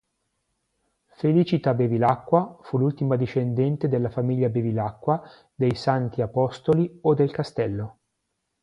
Felicita Bevilacqua fu l'ultima discendente della famiglia Bevilacqua dei Santi Apostoli o del Castello.